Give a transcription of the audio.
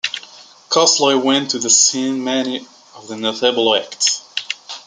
Cosloy went on to sign many of the notable acts.